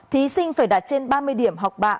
thí sinh phải đạt trên ba mươi điểm học bạ